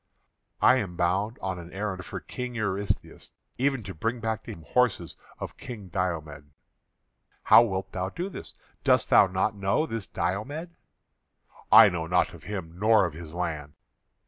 "I am bound on an errand for King Eurystheus; even to bring back to him horses of King Diomed." "How wilt thou do this? Dost thou not know this Diomed?" "I know naught of him, nor of his land."